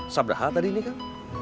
sabda h tadi ini kan